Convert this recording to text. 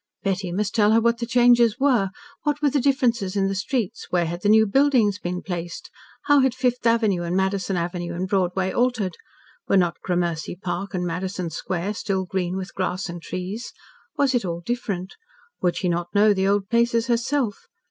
Betty must tell her what the changes were. What were the differences in the streets where had the new buildings been placed? How had Fifth Avenue and Madison Avenue and Broadway altered? Were not Gramercy Park and Madison Square still green with grass and trees? Was it all different? Would she not know the old places herself?